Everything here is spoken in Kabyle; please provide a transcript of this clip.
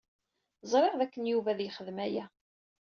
Ẓriɣ dakken Yuba ad yexdem aya.